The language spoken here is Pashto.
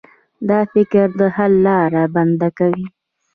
دا فکر د حل لاره بنده کوي.